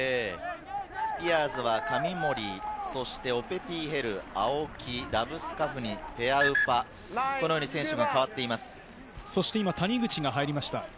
スピアーズは紙森、オペティ・ヘル、青木、ラブスカフニ、このように選手が谷口が入りました。